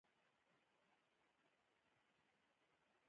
د ملتونو ترمنځ جګړې د باور جګړې دي.